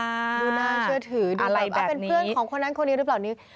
ดูน่าเชื่อถืออะไรบ้างเป็นเพื่อนของคนนั้นคนนี้หรือเปล่านี้